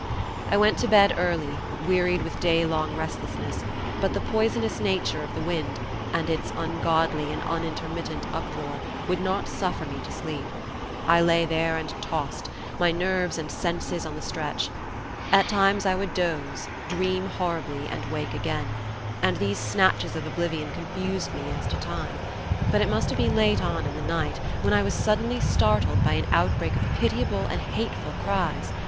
I went to bed early, wearied with day long restlessness, but the poisonous nature of the wind, and its ungodly and unintermittent uproar, would not suffer me to sleep. I lay there and tossed, my nerves and senses on the stretch. At times I would doze, dream horribly, and wake again; and these snatches of oblivion confused me as to time. But it must have been late on in the night, when I was suddenly startled by an outbreak of pitiable and hateful cries.